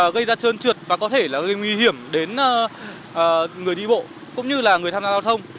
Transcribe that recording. gây ra trơn trượt và có thể là gây nguy hiểm đến người đi bộ cũng như là người tham gia giao thông